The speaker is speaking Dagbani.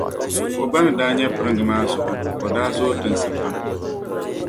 O ba ni daa nyɛ piringa maa zuɣu,o daa zooi tinsi pam.